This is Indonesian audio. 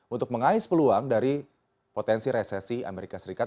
untuk mengais peluang dari potensi resesi amerika serikat